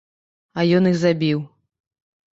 А ён іх забіў.